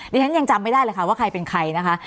ดิฉันยังจำไม่ได้เลยค่ะว่าใครเป็นใครนะคะ